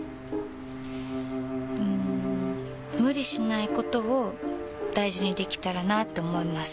うん無理しないことを大事にできたらなって思います。